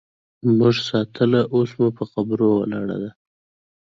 مونږ ساتله اوس مو په قبرو ولاړه ده